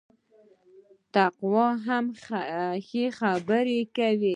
تقوا هم ښه خبري کوي